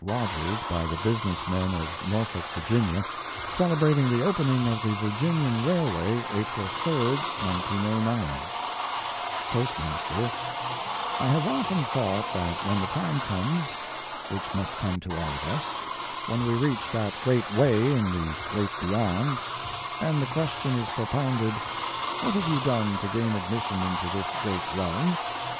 ROGERS BY THE BUSINESS MEN OF NORFOLK, VA., CELEBRATING THE OPENING OF THE VIRGINIAN RAILWAY, APRIL, 3, 1909 Toastmaster: "I have often thought that when the time comes, which must come to all of us, when we reach that Great Way in the Great Beyond, and the question is propounded, 'What have you done to gain admission into this great realm?'